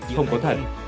không có thật